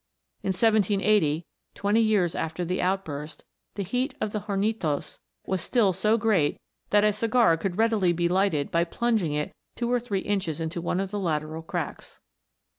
In 1780, twenty years after the outburst, the heat of the hornitos was still so great that a cigar could readily be lighted by plunging it two or three inches into one of the lateral cracks.